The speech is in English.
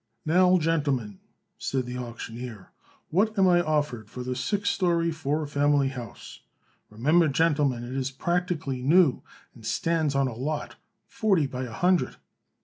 "Now, gentlemen," said the auctioneer, "what am I offered for this six story, four family house. Remember, gentlemen, it is practically new and stands on a lot forty by a hundred."